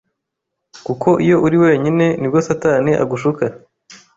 kuko iyo uri wenyine nibwo satani agushuka.